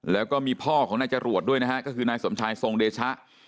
แล้วก็มีพ่อของนายจรวดด้วยนะฮะก็คือนายสมชายทรงเดชะ